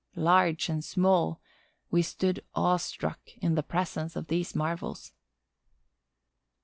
Large and small, we stood awestruck in the presence of these marvels.